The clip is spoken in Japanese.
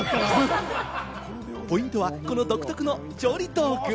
ポイントはこの独特の調理道具。